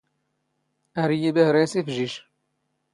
ⴰⵔ ⵉⵢⵉ ⴱⴰⵀⵔⴰ ⵉⵙⵉⴼⵊⵉⵊ.